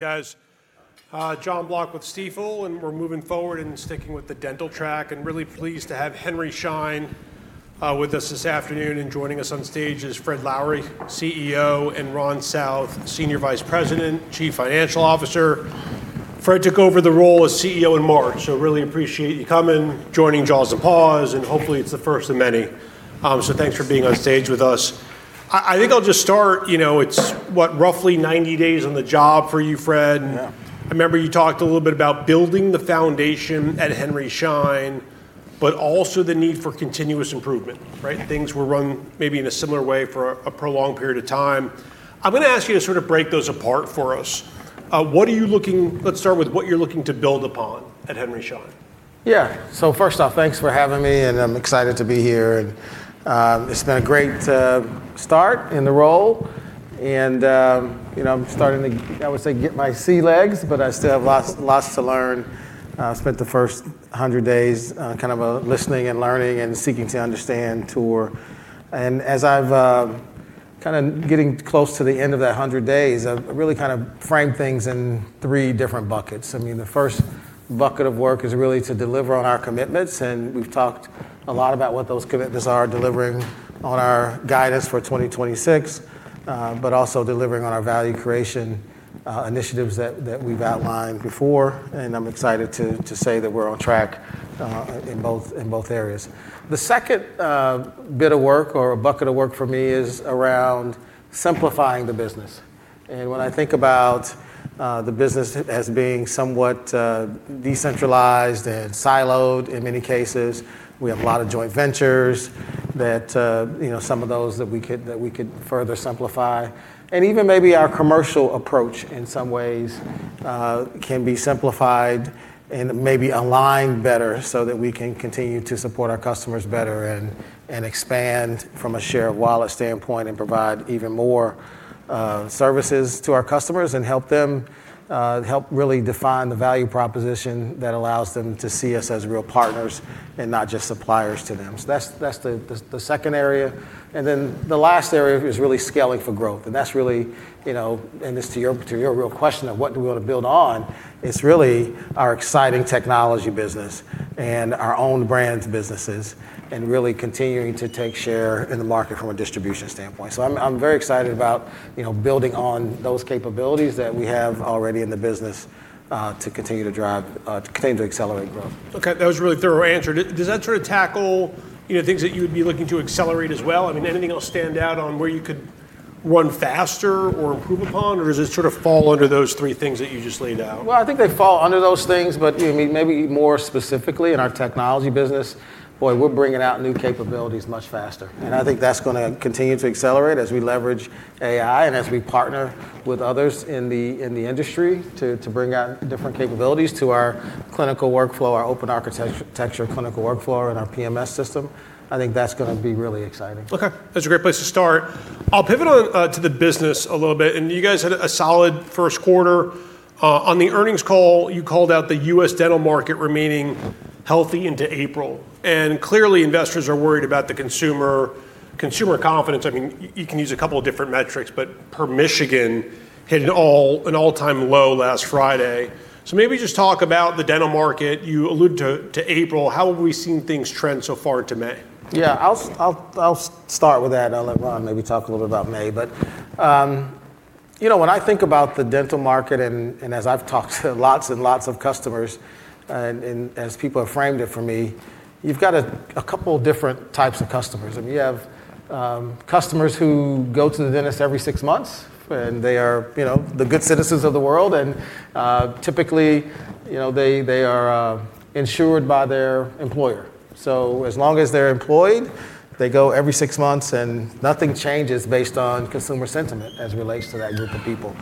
Guys. Jon Block with Stifel, we're moving forward and sticking with the dental track. I'm really pleased to have Henry Schein with us this afternoon. Joining us on stage is Fred Lowery, CEO, and Ron South, Senior Vice President, Chief Financial Officer. Fred took over the role as CEO in March, really appreciate you coming, joining Jaws & Paws, and hopefully it's the first of many. Thanks for being on stage with us. I think I'll just start. It's what? Roughly 90 days on the job for you, Fred. Yeah. I remember you talked a little bit about building the foundation at Henry Schein, but also the need for continuous improvement, right? Yeah. Things were run maybe in a similar way for a prolonged period of time. I'm going to ask you to break those apart for us. Let's start with what you're looking to build upon at Henry Schein. Yeah. First off, thanks for having me, and I'm excited to be here. It's been a great start in the role and I'm starting to, I would say, get my sea legs, but I still have lots to learn. Spent the first 100 days kind of listening and learning and seeking to understand the tour. As I'm kind of getting close to the end of that 100 days, I've really framed things in three different buckets. The 1st bucket of work is really to deliver on our commitments, and we've talked a lot about what those commitments are. Delivering on our guidance for 2026, but also delivering on our value creation initiatives that we've outlined before. I'm excited to say that we're on track in both areas. The 2nd bit of work or bucket of work for me is around simplifying the business. When I think about the business as being somewhat decentralized and siloed in many cases. We have a lot of joint ventures that some of those that we could further simplify. Even maybe our commercial approach in some ways can be simplified and maybe aligned better so that we can continue to support our customers better and expand from a share-of-wallet standpoint, and provide even more services to our customers and help really define the value proposition that allows them to see us as real partners and not just suppliers to them. That's the second area. Then the last area is really scaling for growth. This to your real question of what do we want to build on, it's really our exciting technology business and our own brands businesses, and really continuing to take share in the market from a distribution standpoint. I'm very excited about building on those capabilities that we have already in the business, to continue to accelerate growth. Okay. That was a really thorough answer. Does that sort of tackle things that you would be looking to accelerate as well? Anything else stand out on where you could run faster or improve upon? Does it sort of fall under those three things that you just laid out? I think they fall under those things, but maybe more specifically in our technology business, boy, we're bringing out new capabilities much faster. I think that's going to continue to accelerate as we leverage AI and as we partner with others in the industry to bring out different capabilities to our clinical workflow, our open architecture clinical workflow, and our PMS system. I think that's going to be really exciting. Okay. That's a great place to start. I'll pivot to the business a little bit. You guys had a solid first quarter. On the earnings call, you called out the U.S. dental market remaining healthy into April, and clearly investors are worried about the consumer confidence. You can use a couple of different metrics, but per Michigan hit an all-time low last Friday. Maybe just talk about the dental market you alluded to April. How have we seen things trend so far to May? Yeah. I'll start with that. I'll let Ron maybe talk a little bit about May. When I think about the dental market, and as I've talked to lots and lots of customers, and as people have framed it for me, you've got a couple different types of customers. You have customers who go to the dentist every six months, and they are the good citizens of the world. Typically, they are insured by their employer. As long as they're employed, they go every six months, and nothing changes based on consumer sentiment as it relates to that group of people.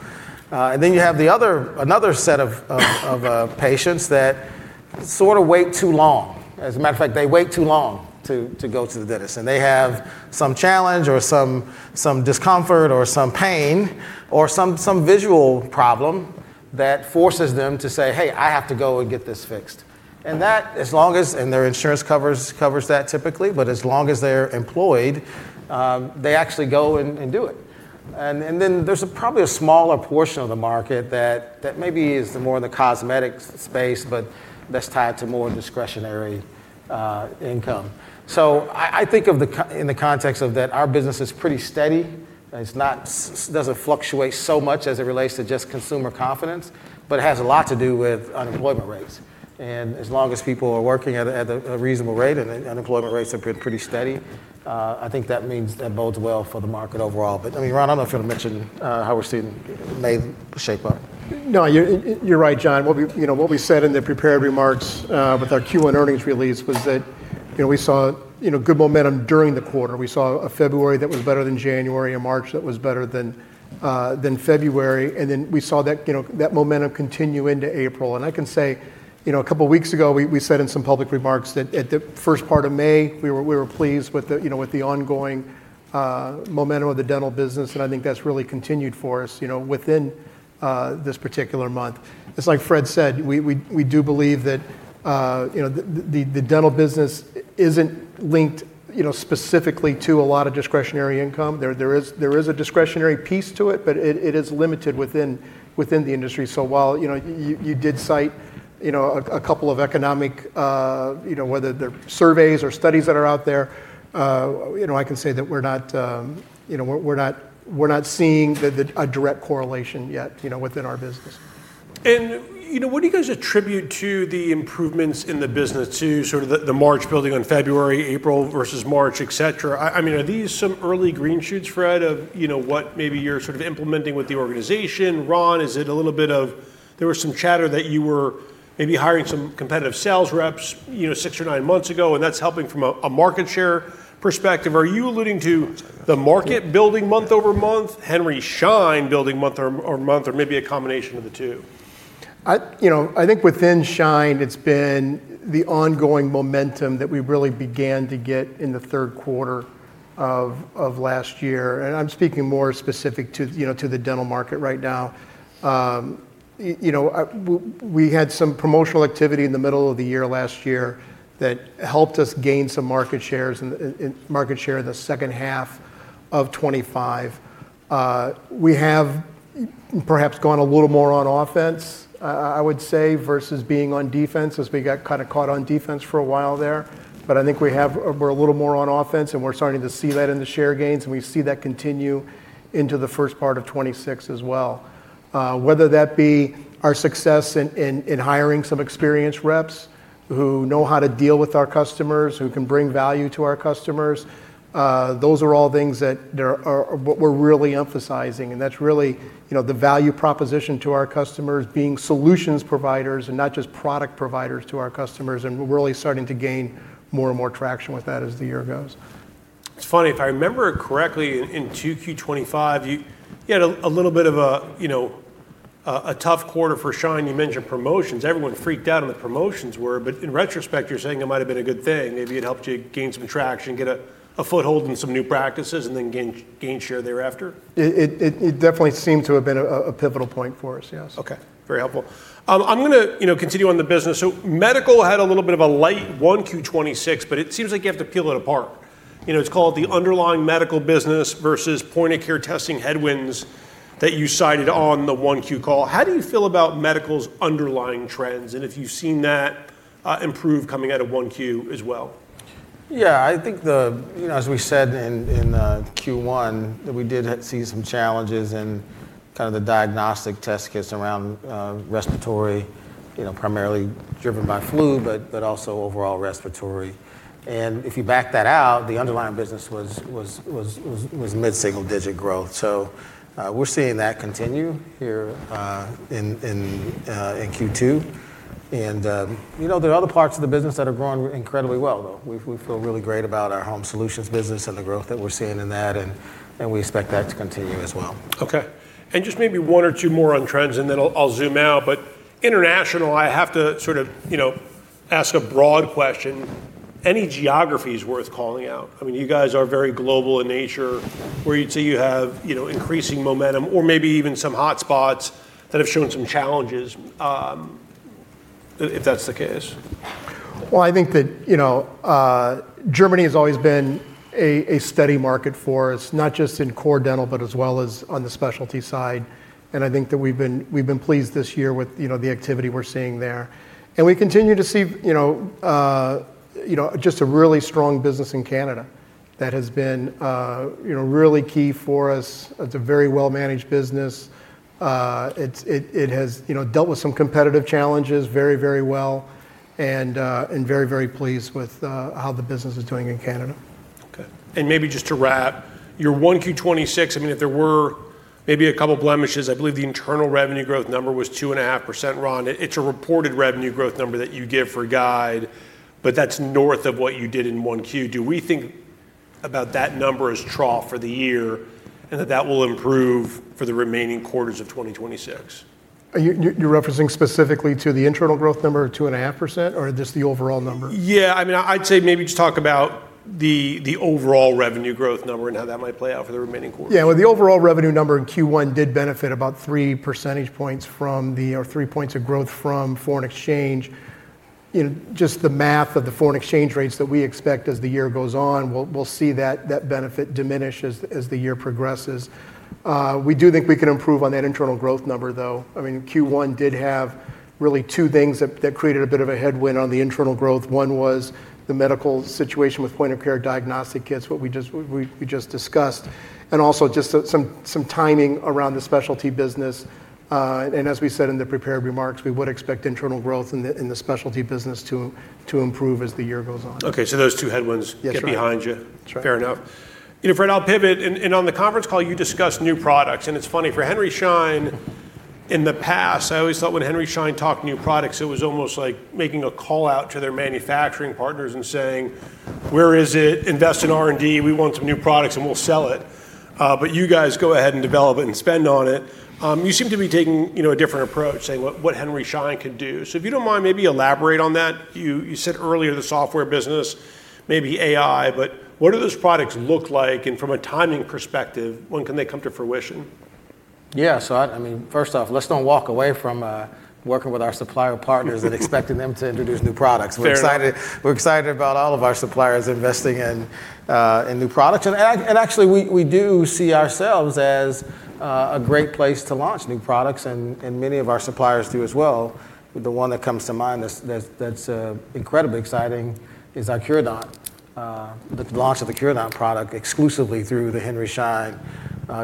You have another set of patients that sort of wait too long. As a matter of fact, they wait too long to go to the dentist, and they have some challenge or some discomfort or some pain or some visual problem that forces them to say, "Hey, I have to go and get this fixed." Their insurance covers that typically, but as long as they're employed, they actually go and do it. There's probably a smaller portion of the market that maybe is more in the cosmetics space, but that's tied to more discretionary income. I think in the context of that, our business is pretty steady. It doesn't fluctuate so much as it relates to just consumer confidence, but it has a lot to do with unemployment rates. As long as people are working at a reasonable rate, and unemployment rates have been pretty steady, I think that bodes well for the market overall. Ron, I don't know if you want to mention how we're seeing May shape up. No, you're right, Jon. What we said in the prepared remarks with our Q1 earnings release was that we saw good momentum during the quarter. We saw a February that was better than January and March that was better than February. We saw that momentum continue into April. I can say, a couple weeks ago, we said in some public remarks that at the first part of May, we were pleased with the ongoing momentum of the dental business. I think that's really continued for us within this particular month. It's like Fred said, we do believe that the dental business isn't linked specifically to a lot of discretionary income. There is a discretionary piece to it, but it is limited within the industry. While you did cite a couple of economic, whether they're surveys or studies that are out there, I can say that we're not seeing a direct correlation yet within our business. What do you guys attribute to the improvements in the business to sort of the March building on February, April versus March, et cetera? Are these some early green shoots, Fred, of what maybe you're sort of implementing with the organization? Ron, is it a little bit of, there was some chatter that you were maybe hiring some competitive sales reps six or nine months ago, and that's helping from a market share perspective. Are you alluding to the market building month-over-month, Henry Schein building month-over-month, or maybe a combination of the two? I think within Schein, it's been the ongoing momentum that we really began to get in the third quarter of last year. I'm speaking more specific to the dental market right now. We had some promotional activity in the middle of last year that helped us gain some market share in the second half of 2025. We have perhaps gone a little more on offense, I would say, versus being on defense, as we got kind of caught on defense for a while there. I think we're a little more on offense, and we're starting to see that in the share gains, and we see that continue into the first part of 2026 as well. Whether that be our success in hiring some experienced reps who know how to deal with our customers, who can bring value to our customers. Those are all things that we're really emphasizing, and that's really the value proposition to our customers, being solutions providers and not just product providers to our customers. We're really starting to gain more and more traction with that as the year goes. It's funny, if I remember correctly, in 2Q 2025, you had a little bit of a tough quarter for Schein. You mentioned promotions. Everyone freaked out on the promotions were, In retrospect, you're saying it might've been a good thing. Maybe it helped you gain some traction, get a foothold in some new practices, then gain share thereafter. It definitely seemed to have been a pivotal point for us, yes. Okay. Very helpful. I'm going to continue on the business. Medical had a little bit of a light 1Q 2026, but it seems like you have to peel it apart. It's called the underlying medical business versus point-of-care testing headwinds that you cited on the 1Q call. How do you feel about medical's underlying trends and if you've seen that improve coming out of 1Q as well? Yeah, I think as we said in Q1, that we did see some challenges in kind of the diagnostic test kits around respiratory, primarily driven by flu, but also overall respiratory. If you back that out, the underlying business was mid-single-digit growth. We're seeing that continue here in Q2. There are other parts of the business that are growing incredibly well, though. We feel really great about our home solutions business and the growth that we're seeing in that, and we expect that to continue as well. Okay. Just maybe one or two more on trends, and then I'll zoom out. International, I have to sort of ask a broad question. Any geographies worth calling out? You guys are very global in nature, where you'd say you have increasing momentum or maybe even some hot spots that have shown some challenges, if that's the case. Well, I think that Germany has always been a steady market for us, not just in core dental, but as well as on the specialty side. I think that we've been pleased this year with the activity we're seeing there. We continue to see just a really strong business in Canada that has been really key for us. It's a very well-managed business. It has dealt with some competitive challenges very, very well and very, very pleased with how the business is doing in Canada. Okay. Maybe just to wrap, your 1Q 2026, if there were maybe a couple blemishes, I believe the internal revenue growth number was 2.5%, Ron. It's a reported revenue growth number that you give for a guide, but that's north of what you did in 1Q. Do we think about that number as trough for the year, and that that will improve for the remaining quarters of 2026? You're referencing specifically to the internal growth number of 2.5%, or just the overall number? Yeah. I'd say maybe just talk about the overall revenue growth number and how that might play out for the remaining quarters. Yeah. Well, the overall revenue number in Q1 did benefit about three percentage points from the or three points of growth from foreign exchange. Just the math of the foreign exchange rates that we expect as the year goes on, we'll see that benefit diminish as the year progresses. We do think we can improve on that internal growth number, though. Q1 did have really two things that created a bit of a headwind on the internal growth. One was the medical situation with point-of-care diagnostic kits, what we just discussed, and also just some timing around the specialty business. As we said in the prepared remarks, we would expect internal growth in the specialty business to improve as the year goes on. Okay, those two headwinds. Yes, sir. Get behind you. That's right. Fair enough. Fred, I'll pivot. On the conference call, you discussed new products. It's funny, for Henry Schein, in the past, I always thought when Henry Schein talked new products, it was almost like making a call-out to their manufacturing partners and saying, "Where is it? Invest in R&D. We want some new products, and we'll sell it. You guys go ahead and develop it and spend on it." You seem to be taking a different approach, saying what Henry Schein could do. If you don't mind, maybe elaborate on that. You said earlier the software business, maybe AI, what do those products look like? From a timing perspective, when can they come to fruition? Yeah. First off, let's don't walk away from working with our supplier partners and expecting them to introduce new products. Fair enough. We're excited about all of our suppliers investing in new products. Actually, we do see ourselves as a great place to launch new products, and many of our suppliers do as well. The one that comes to mind that's incredibly exciting is our Curodont, the launch of the Curodont product exclusively through the Henry Schein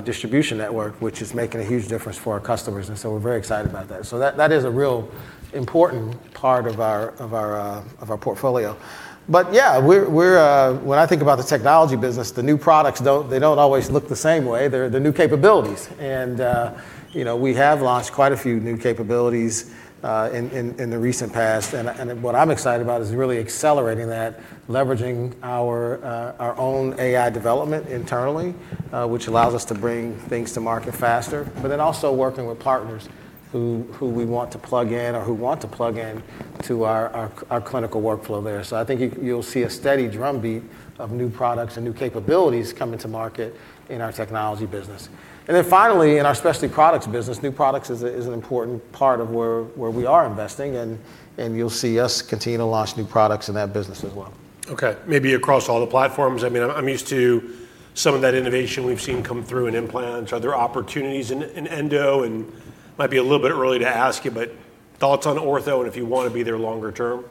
distribution network, which is making a huge difference for our customers. We're very excited about that. That is a real important part of our portfolio. When I think about the technology business, the new products, they don't always look the same way. They're the new capabilities. We have launched quite a few new capabilities in the recent past. What I'm excited about is really accelerating that, leveraging our own AI development internally, which allows us to bring things to market faster, also working with partners who we want to plug in or who want to plug in to our clinical workflow there. I think you'll see a steady drumbeat of new products and new capabilities coming to market in our technology business. Finally, in our specialty products business, new products is an important part of where we are investing, and you'll see us continue to launch new products in that business as well. Okay. Maybe across all the platforms. I'm used to some of that innovation we've seen come through in implants. Are there opportunities in endo? Might be a little bit early to ask you, but thoughts on ortho and if you want to be there longer term?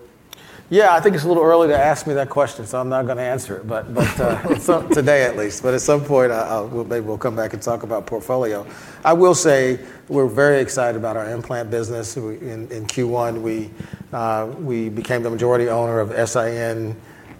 Yeah, I think it's a little early to ask me that question, so I'm not going to answer it. Today at least. At some point, maybe we'll come back and talk about portfolio. I will say we're very excited about our implant business. In Q1, we became the majority owner of S.I.N.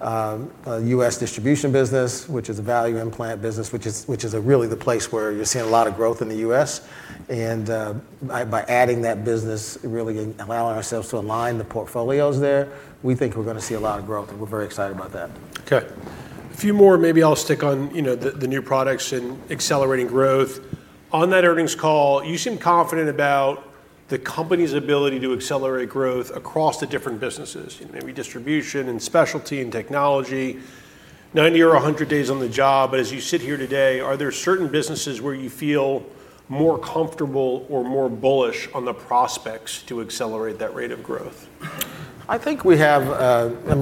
U.S. distribution business, which is a value implant business, which is really the place where you're seeing a lot of growth in the U.S. By adding that business, really allowing ourselves to align the portfolios there, we think we're going to see a lot of growth, and we're very excited about that. Okay. A few more, maybe I'll stick on the new products and accelerating growth. On that earnings call, you seem confident about the company's ability to accelerate growth across the different businesses, maybe distribution and specialty and technology. 90 or 100 days on the job, but as you sit here today, are there certain businesses where you feel more comfortable or more bullish on the prospects to accelerate that rate of growth? I think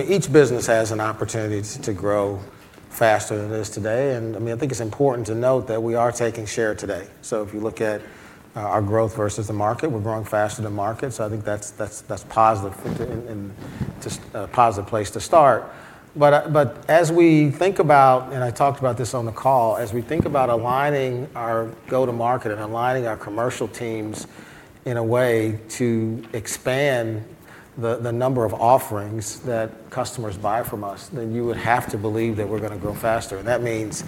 each business has an opportunity to grow faster than it is today. I think it's important to note that we are taking share today. If you look at our growth versus the market, we're growing faster than market. I think that's positive, and just a positive place to start. As we think about, and I talked about this on the call, as we think about aligning our go-to-market and aligning our commercial teams in a way to expand the number of offerings that customers buy from us, you would have to believe that we're going to grow faster. That means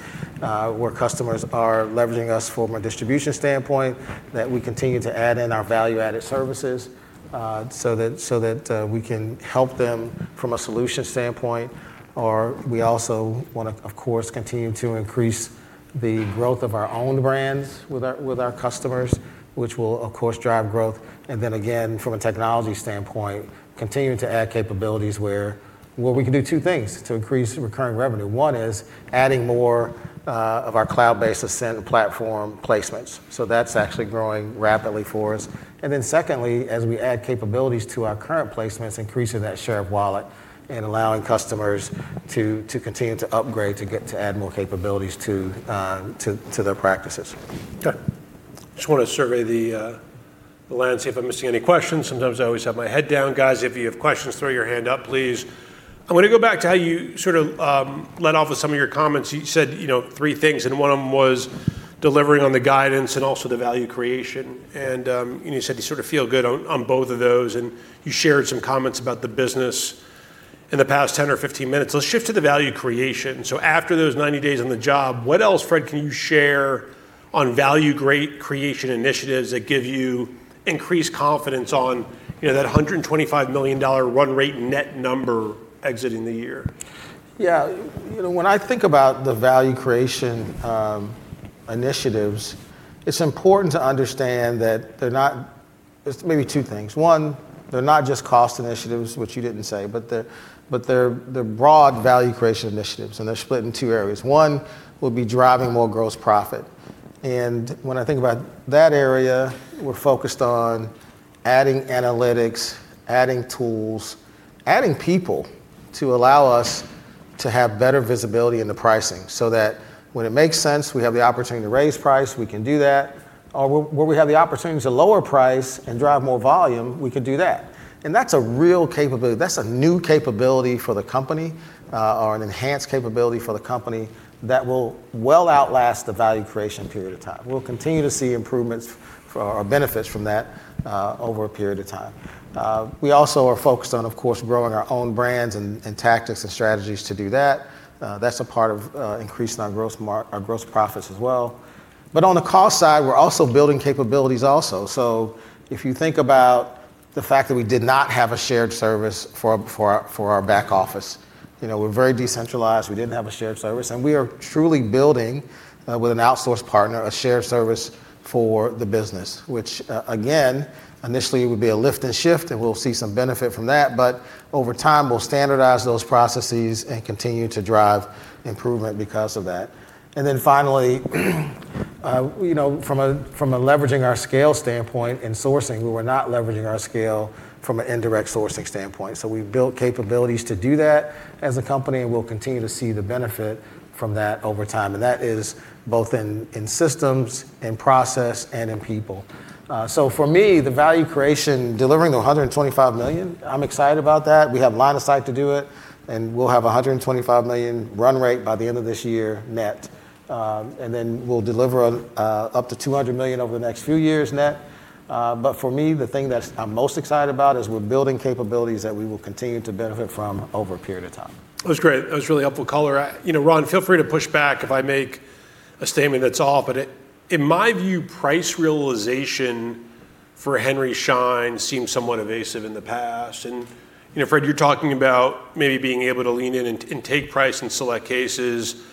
where customers are leveraging us from a distribution standpoint, that we continue to add in our value-added services, so that we can help them from a solution standpoint. We also want to, of course, continue to increase the growth of our own brands with our customers, which will, of course, drive growth. Then again, from a technology standpoint, continuing to add capabilities where we can do two things to increase recurring revenue. One is adding more of our cloud-based Ascend platform placements. That's actually growing rapidly for us. Then secondly, as we add capabilities to our current placements, increasing that share of wallet and allowing customers to continue to upgrade, to add more capabilities to their practices. Just want to survey the land, see if I'm missing any questions. Sometimes I always have my head down. Guys, if you have questions, throw your hand up, please. I want to go back to how you led off with some of your comments. You said three things, and one of them was delivering on the guidance and also the value creation. You said you sort of feel good on both of those, and you shared some comments about the business in the past 10-minutes or 15-minutes. Let's shift to the value creation. After those 90 days on the job, what else, Fred, can you share on value creation initiatives that give you increased confidence on that $125 million run rate net number exiting the year? Yeah. When I think about the value creation initiatives, it's important to understand maybe two things. One, they're not just cost initiatives, which you didn't say, but they're broad value creation initiatives, and they're split in two areas. One would be driving more gross profit. When I think about that area, we're focused on adding analytics, adding tools, adding people to allow us to have better visibility in the pricing, so that when it makes sense, we have the opportunity to raise price, we can do that, or where we have the opportunity to lower price and drive more volume, we could do that. That's a real capability. That's a new capability for the company, or an enhanced capability for the company that will well outlast the value creation period of time. We'll continue to see improvements or benefits from that, over a period of time. We also are focused on, of course, growing our own brands and tactics and strategies to do that. That's a part of increasing our gross profits as well. On the cost side, we're also building capabilities also. If you think about the fact that we did not have a shared service for our back office. We're very decentralized. We didn't have a shared service. We are truly building, with an outsourced partner, a shared service for the business, which, again, initially would be a lift and shift, and we'll see some benefit from that, but over time, we'll standardize those processes and continue to drive improvement because of that. Finally, from a leveraging our scale standpoint and sourcing, we were not leveraging our scale from an indirect sourcing standpoint. We've built capabilities to do that as a company, and we'll continue to see the benefit from that over time. That is both in systems, in process, and in people. For me, the value creation, delivering the $125 million, I'm excited about that. We have line of sight to do it, and we'll have $125 million run rate by the end of this year net. We'll deliver up to $200 million over the next few years net. For me, the thing that I'm most excited about is we're building capabilities that we will continue to benefit from over a period of time. That was great. That was really helpful color. Ron, feel free to push back if I make a statement that's off, but in my view, price realization for Henry Schein seemed somewhat evasive in the past. Fred, you're talking about maybe being able to lean in and take price in select cases.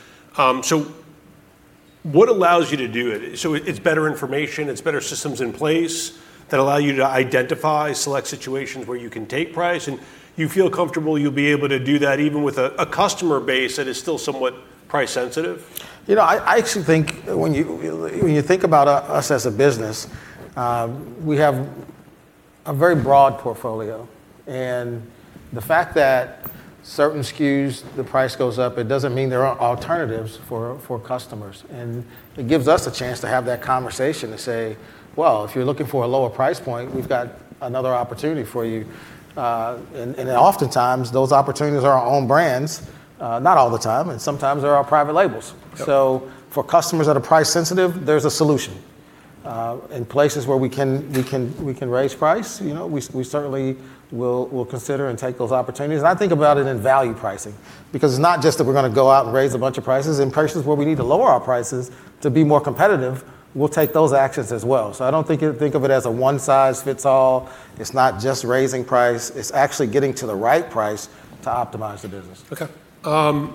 What allows you to do it? It's better information, it's better systems in place that allow you to identify select situations where you can take price, and you feel comfortable you'll be able to do that even with a customer base that is still somewhat price sensitive? I actually think when you think about us as a business, we have a very broad portfolio. The fact that certain SKUs, the price goes up, it doesn't mean there aren't alternatives for customers. It gives us a chance to have that conversation to say, "Well, if you're looking for a lower price point, we've got another opportunity for you." Oftentimes, those opportunities are our own brands, not all the time, and sometimes they're our private labels. Yep. For customers that are price sensitive, there's a solution. In places where we can raise price, we certainly will consider and take those opportunities. I think about it in value pricing, because it's not just that we're going to go out and raise a bunch of prices. In places where we need to lower our prices to be more competitive, we'll take those actions as well. I don't think of it as a one size fits all. It's not just raising price. It's actually getting to the right price to optimize the business. Okay. I'm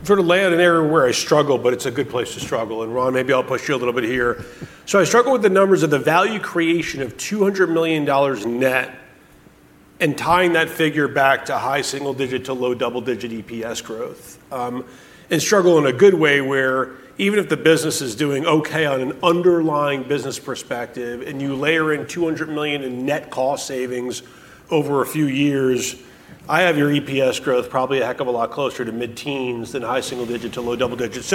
going to sort of land an area where I struggle, but it's a good place to struggle. Ron, maybe I'll push you a little bit here. I struggle with the numbers of the value creation of $200 million net and tying that figure back to high single digit to low double-digit EPS growth. Struggle in a good way where even if the business is doing okay on an underlying business perspective, and you layer in $200 million in net cost savings over a few years, I have your EPS growth probably a heck of a lot closer to mid-teens than high single digit to low double digits.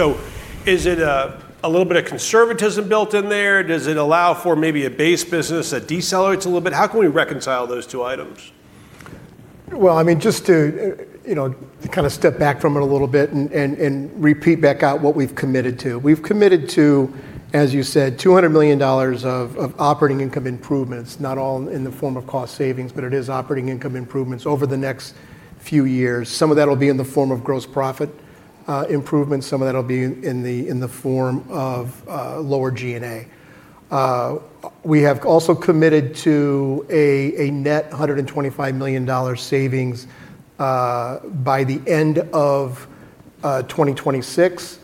Is it a little bit of conservatism built in there? Does it allow for maybe a base business that decelerates a little bit? How can we reconcile those two items? Well, just to kind of step back from it a little bit and repeat back out what we've committed to. We've committed to, as you said, $200 million of operating income improvements, not all in the form of cost savings, but it is operating income improvements over the next few years. Some of that'll be in the form of gross profit improvements. Some of that'll be in the form of lower G&A. We have also committed to a net $125 million savings by the end of 2026.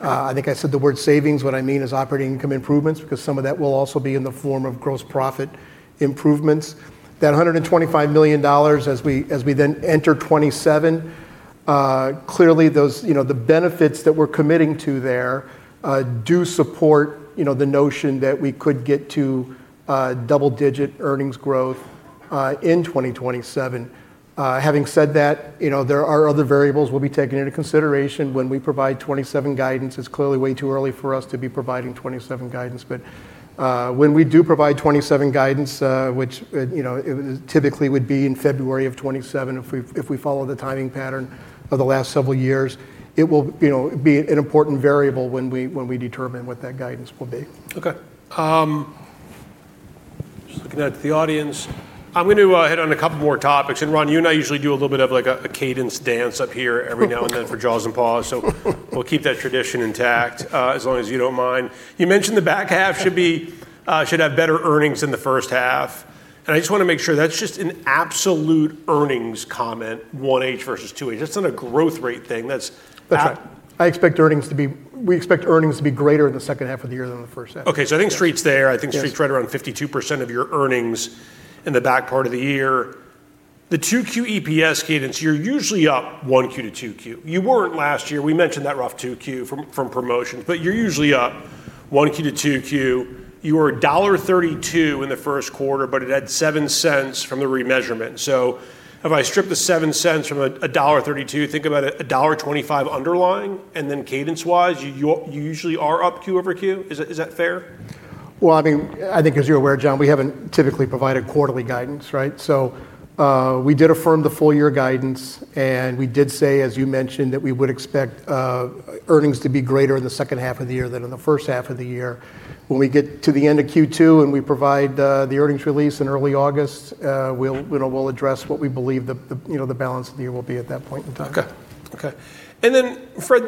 I think I said the word savings. What I mean is operating income improvements, because some of that will also be in the form of gross profit improvements. That $125 million, as we then enter 2027, clearly, the benefits that we're committing to there, do support the notion that we could get to double-digit earnings growth in 2027. Having said that, there are other variables we'll be taking into consideration when we provide 2027 guidance. It's clearly way too early for us to be providing 2027 guidance. When we do provide 2027 guidance, which typically would be in February of 2027 if we follow the timing pattern of the last several years, it will be an important variable when we determine what that guidance will be. Okay. Just looking out to the audience. I'm going to hit on a couple more topics. Ron, you and I usually do a little bit of a cadence dance up here every now and then for Jaws and Paws. We'll keep that tradition intact as long as you don't mind. You mentioned the back half should have better earnings than the first half, and I just want to make sure that's just an absolute earnings comment, 1H versus 2H. That's not a growth rate thing. That's right. We expect earnings to be greater in the second half of the year than in the first half. Okay. I think Street's there. Yes. I think Street's right around 52% of your earnings in the back part of the year. The 2Q EPS cadence, you're usually up 1Q-2Q. You weren't last year. We mentioned that rough 2Q from promotions. You're usually up 1Q-2Q. You were $1.32 in the first quarter. It had $0.07 from the remeasurement. Have I stripped the $0.07 from $1.32, think about it, $1.25 underlying, then cadence-wise, you usually are up Q over Q. Is that fair? I think as you're aware, Jon, we haven't typically provided quarterly guidance, right? We did affirm the full-year guidance, and we did say, as you mentioned, that we would expect earnings to be greater in the second half of the year than in the first half of the year. When we get to the end of Q2, and we provide the earnings release in early August, we'll address what we believe the balance of the year will be at that point in time. Okay. Then Fred,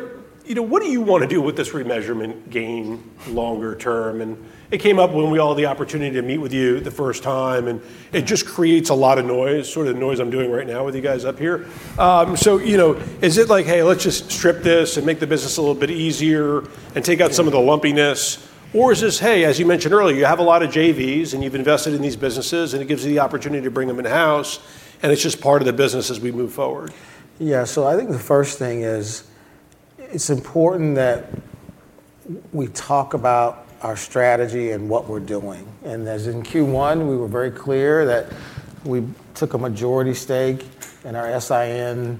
what do you want to do with this remeasurement gain longer term? It came up when we all had the opportunity to meet with you the first time, and it just creates a lot of noise, sort of the noise I'm doing right now with you guys up here. Is it like, "Hey, let's just strip this and make the business a little bit easier and take out some of the lumpiness," or is this, "Hey," as you mentioned earlier, you have a lot of JVs, and you've invested in these businesses, and it gives you the opportunity to bring them in-house, and it's just part of the business as we move forward? Yeah. I think the first thing is it's important that we talk about our strategy and what we're doing. As in Q1, we were very clear that we took a majority stake in our S.I.N.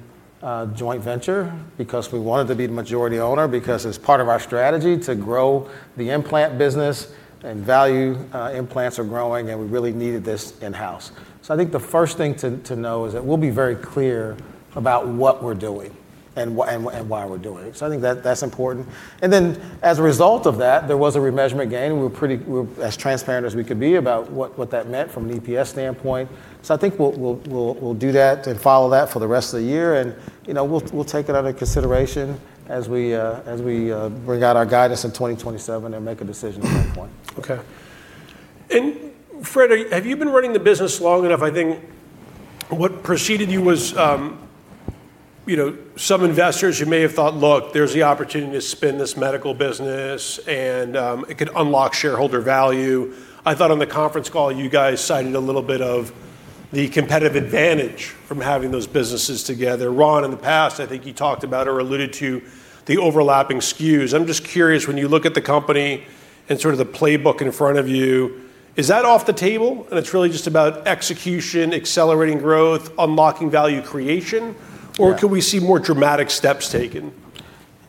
joint venture because we wanted to be the majority owner, because it's part of our strategy to grow the implant business, and value implants are growing, and we really needed this in-house. I think the first thing to know is that we'll be very clear about what we're doing. Why we're doing it. I think that's important. Then as a result of that, there was a remeasurement gain. We were as transparent as we could be about what that meant from an EPS standpoint. I think we'll do that and follow that for the rest of the year, and we'll take it under consideration as we bring out our guidance in 2027 and make a decision at that point. Okay. Fred, have you been running the business long enough? I think what preceded you was some investors who may have thought, "Look, there's the opportunity to spin this medical business, and it could unlock shareholder value." On the conference call, you guys cited a little bit of the competitive advantage from having those businesses together. Ron, in the past, I think you talked about or alluded to the overlapping SKUs. I'm just curious, when you look at the company and sort of the playbook in front of you, is that off the table, and it's really just about execution, accelerating growth, unlocking value creation? Yeah Could we see more dramatic steps taken?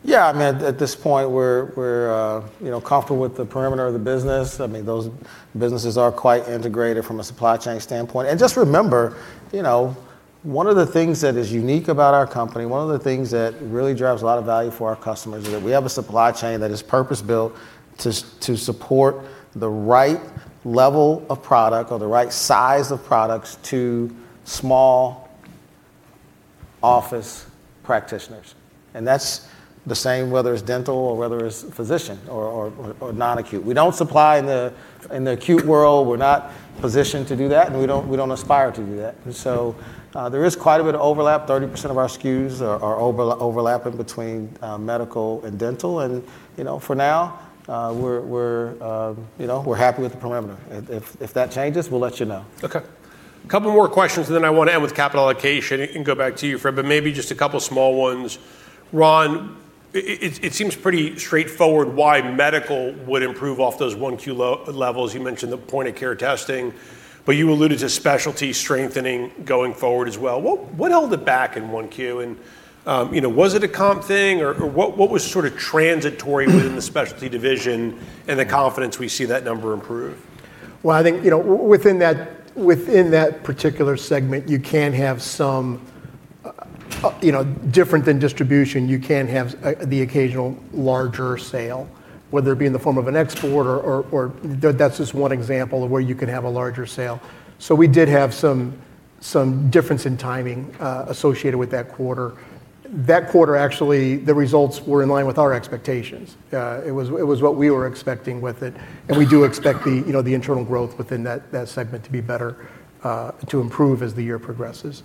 Yeah, at this point, we're comfortable with the perimeter of the business. Those businesses are quite integrated from a supply chain standpoint. Just remember, one of the things that is unique about our company, one of the things that really drives a lot of value for our customers, is that we have a supply chain that is purpose-built to support the right level of product or the right size of products to small office practitioners. That's the same whether it's dental or whether it's physician or non-acute. We don't supply in the acute world. We're not positioned to do that, and we don't aspire to do that. There is quite a bit of overlap. 30% of our SKUs are overlapping between medical and dental. For now, we're happy with the perimeter. If that changes, we'll let you know. Okay. A couple more questions. Then I want to end with capital allocation and go back to you, Fred, but maybe just a couple small ones. Ron, it seems pretty straightforward why medical would improve off those Q1 levels. You mentioned the point-of-care testing, you alluded to specialty strengthening going forward as well. What held it back in 1Q? Was it a comp thing, or what was sort of transitory within the specialty division and the confidence we see that number improve? Well, I think, within that particular segment, you can have Different than distribution, you can have the occasional larger sale, whether it be in the form of an export. That's just one example of where you can have a larger sale. We did have some difference in timing associated with that quarter. That quarter, actually, the results were in line with our expectations. It was what we were expecting with it, and we do expect the internal growth within that segment to be better, to improve as the year progresses.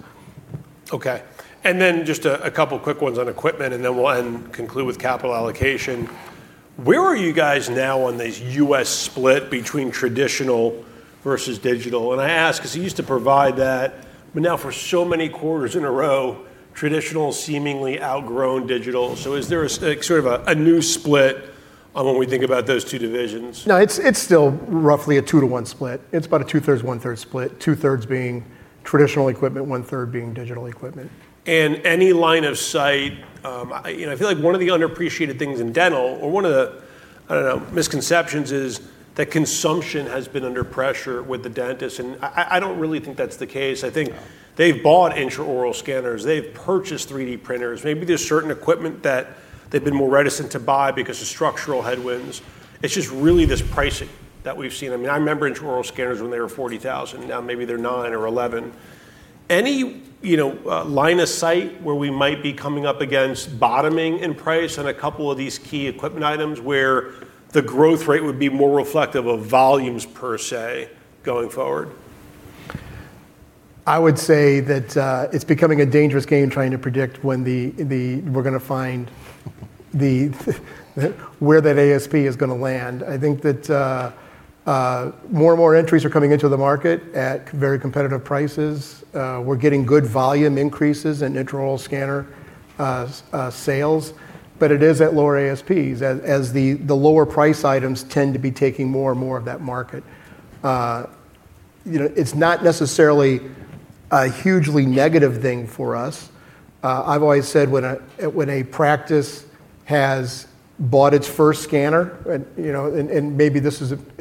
Okay. Just a couple of quick ones on equipment, then we'll conclude with capital allocation. Where are you guys now on this U.S. split between traditional versus digital? I ask because you used to provide that, but now for so many quarters in a row, traditional seemingly outgrown digital. Is there a sort of a new split when we think about those two divisions? No, it's still roughly a two-to-one split. It's about a two-thirds, one-third split, two-thirds being traditional equipment, one-third being digital equipment. Any line of sight? I feel like one of the underappreciated things in dental, or one of the, I don't know, misconceptions, is that consumption has been under pressure with the dentist, and I don't really think that's the case. Yeah They've bought intraoral scanners. They've purchased 3D printers. Maybe there's certain equipment that they've been more reticent to buy because of structural headwinds. It's just really this pricing that we've seen. I remember intraoral scanners when they were 40,000. Now maybe they're nine or 11. Any line of sight where we might be coming up against bottoming in price on a couple of these key equipment items where the growth rate would be more reflective of volumes per se going forward? I would say that it's becoming a dangerous game trying to predict when we're going to find where that ASP is going to land. I think that more and more entries are coming into the market at very competitive prices. It is at lower ASPs, as the lower price items tend to be taking more and more of that market. It's not necessarily a hugely negative thing for us. I've always said when a practice has bought its first scanner. Maybe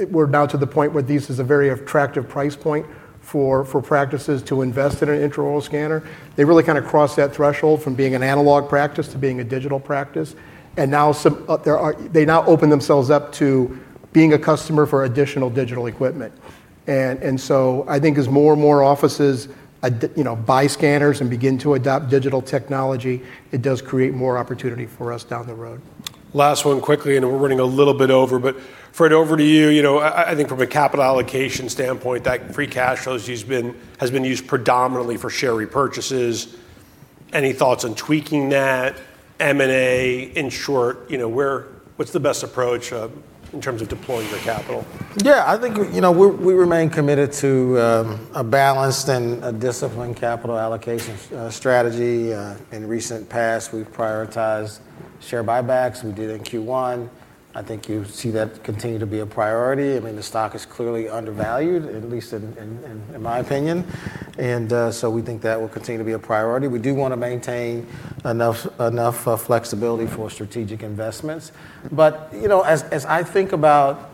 we're now to the point where this is a very attractive price point for practices to invest in an intraoral scanner. They really kind of cross that threshold from being an analog practice to being a digital practice. Now they open themselves up to being a customer for additional digital equipment. I think as more and more offices buy scanners and begin to adopt digital technology, it does create more opportunity for us down the road. Last one quickly, and I know we're running a little bit over, but Fred, over to you. I think from a capital allocation standpoint, that free cash flow has been used predominantly for share repurchases. Any thoughts on tweaking that? M&A? In short, what's the best approach in terms of deploying your capital? Yeah, I think we remain committed to a balanced and a disciplined capital allocation strategy. In recent past, we've prioritized share buybacks. We did in Q1. I think you see that continue to be a priority. The stock is clearly undervalued, at least in my opinion. We think that will continue to be a priority. We do want to maintain enough flexibility for strategic investments. As I think about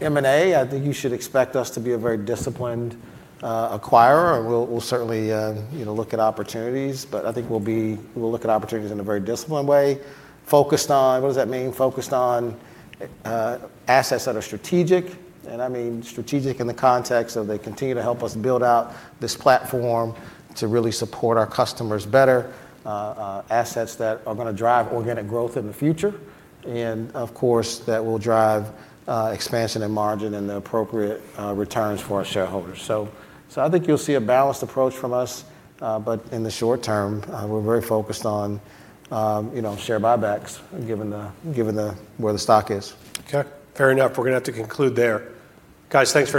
M&A, I think you should expect us to be a very disciplined acquirer. We'll certainly look at opportunities, but I think we'll look at opportunities in a very disciplined way, focused on, what does that mean? Focused on assets that are strategic, and I mean strategic in the context of they continue to help us build out this platform to really support our customers better, assets that are going to drive organic growth in the future, and of course, that will drive expansion and margin and the appropriate returns for our shareholders. I think you'll see a balanced approach from us. In the short term, we're very focused on share buybacks given where the stock is. Okay. Fair enough. We're going to have to conclude there. Guys.